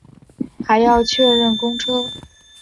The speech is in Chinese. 还要确认公车